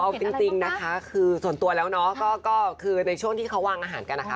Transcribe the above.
เอาจริงนะคะคือส่วนตัวแล้วเนาะก็คือในช่วงที่เขาวางอาหารกันนะคะ